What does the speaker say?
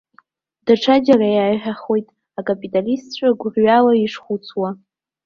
Даҽаџьара иаҳәахуеит акапиталистцәа гәырҩала ишхәыцуа.